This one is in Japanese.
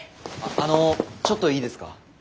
あのちょっといいですか？